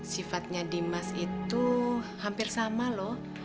sifatnya dimas itu hampir sama loh